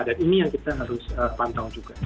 dan ini yang kita harus pantau juga